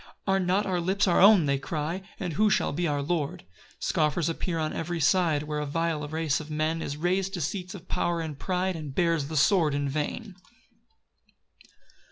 "Are not our lips our own" they cry, "And who shall be our lord?" 4 Scoffers appear on every side, Where a vile race of men Is rais'd to seats of power and pride, And bears the sword in vain.